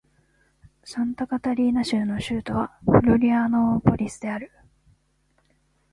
サンタカタリーナ州の州都はフロリアノーポリスである